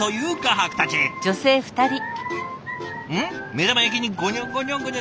目玉焼きにごにょごにょごにょ。